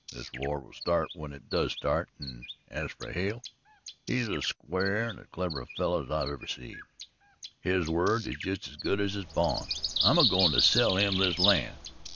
This war will start when it does start, an' as for Hale, he's as square an' clever a feller as I've ever seed. His word is just as good as his bond. I'm a goin' to sell him this land.